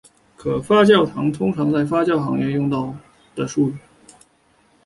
可发酵糖是通常在发酵行业用到的术语。